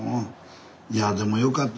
いやでもよかった。